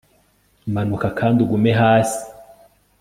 manuka kandi ugume hasi